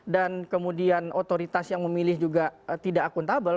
dan kemudian otoritas yang memilih juga tidak akuntabel